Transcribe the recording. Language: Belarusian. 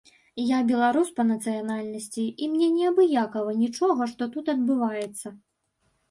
Я беларус па нацыянальнасці, і мне неабыякава нічога, што тут адбываецца.